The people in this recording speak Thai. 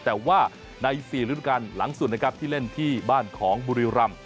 แต่ว่าใน๔ฤทธิการหลังส่วนที่เล่นที่บ้านของบุรีรัมป์